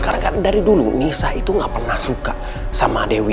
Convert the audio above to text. karena kan dari dulu nisa itu gak pernah suka sama dewi